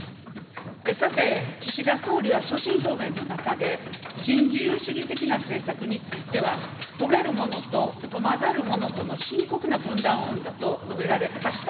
さて、岸田総理は所信表明の中で、新自由主義的な政策については、富めるものと富まざるものとの深刻な分断を生んだと述べられました。